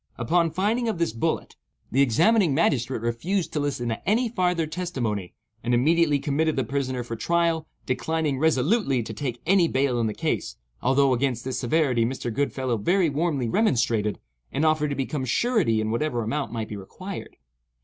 Upon finding of this bullet, the examining magistrate refused to listen to any farther testimony, and immediately committed the prisoner for trial—declining resolutely to take any bail in the case, although against this severity Mr. Goodfellow very warmly remonstrated, and offered to become surety in whatever amount might be required.